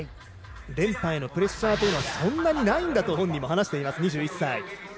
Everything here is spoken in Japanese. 連覇へのプレッシャーというのはそんなにないんだと本人も話しています、２１歳。